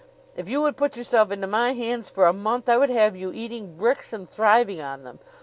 If you would put yourself into my hands for a month I would have you eating bricks and thriving on them.